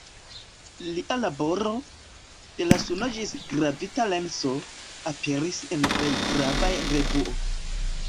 Lia laboro, de la Suno ĝis gravita lenso, aperis en plej gravaj revuo.